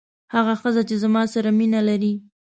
هغه ښځه چې زما سره مینه لري.